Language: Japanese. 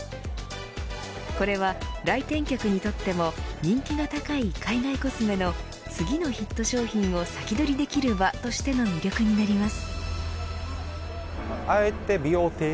これは来店客にとっても人気が高い海外コスメの次のヒット商品を先取りできる場としての魅力になります。